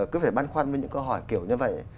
cứ phải băn khoăn với những câu hỏi kiểu như vậy